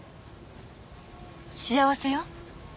幸せよ。